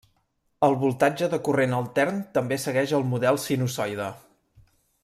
El voltatge de corrent altern també segueix el model sinusoide.